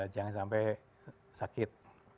jangan sampai sakit